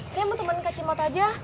saya mau temen kak cimot aja